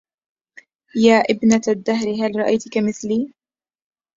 يائبنة الدهر هل رأيت كمثلي